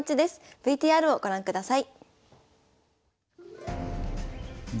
ＶＴＲをご覧ください。